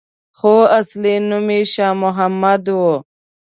خو اصلي نوم یې شا محمد وو.